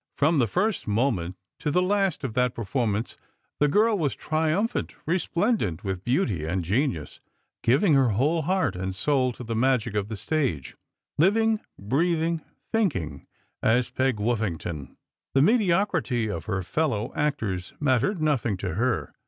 From the first moment to the last of that perform ance the girl was triumphant, resplendent with beauty and genius, giving her whole heart and soul to the magic of the stage, living, breathing, thinking, as Peg Woffington. The mediocrity of her fellow actors mattered nothing to her.